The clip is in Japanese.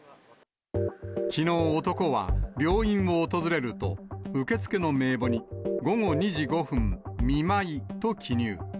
きのう、男は病院を訪れると、受付の名簿に、午後２時５分、見舞いと記入。